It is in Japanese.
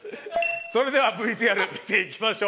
それではＶＴＲ見ていきましょう。